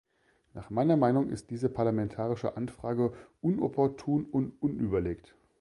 Nach meiner Meinung ist diese parlamentarische Anfrage unopportun und unüberlegt.